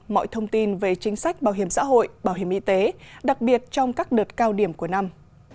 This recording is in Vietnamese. mọi thông tin về chính sách bảo hiểm xã hội bảo hiểm y tế đặc biệt trong các đợt cao điểm của năm